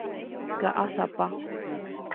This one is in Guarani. Ka'asapa.